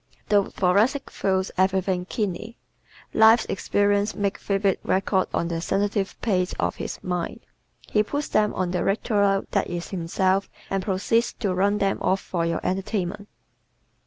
The Thoracic feels everything keenly. Life's experiences make vivid records on the sensitive plate of his mind. He puts them on the Victrola that is himself and proceeds to run them off for your entertainment.